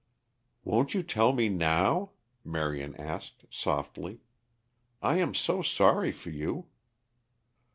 "Won't you tell me now?" Marion asked softly. "I am so sorry for you?"